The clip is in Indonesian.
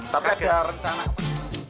tapi ada rencana apa